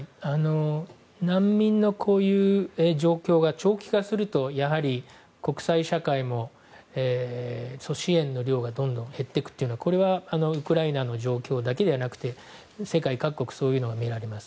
難民のこういう状況が長期化するとやはり国際社会も支援の量がどんどん減っていくのはこれはウクライナの状況だけではなくて世界各国そういうのが見られます。